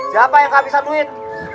siapa yang kehabisan duit